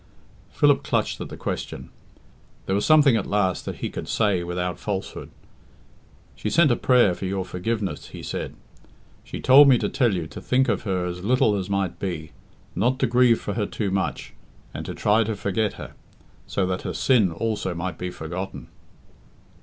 Philip clutched at the question. There was something at last that he could say without falsehood. "She sent a prayer for your forgiveness," he said. "She told me to tell you to think of her as little as might be; not to grieve for her too much, and to try to forget her, so that her sin also might be forgotten."